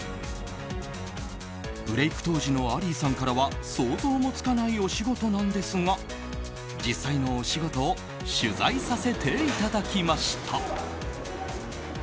ブレーク当時のアリーさんからは想像もつかないお仕事なんですが実際のお仕事を取材させていただきました。